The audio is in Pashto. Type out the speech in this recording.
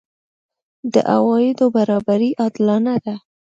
د عوایدو برابري عادلانه ده؟